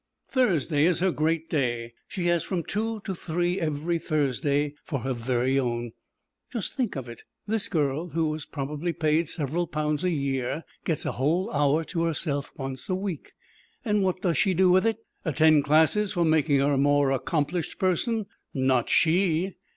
Thursday is her great day. She has from two to three every Thursday for her very own; just think of it: this girl, who is probably paid several pounds a year, gets a whole hour to herself once a week. And what does she with it? Attend classes for making her a more accomplished person? Not she.